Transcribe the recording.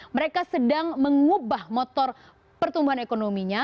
mereka sedang mengubah motor pertumbuhan ekonominya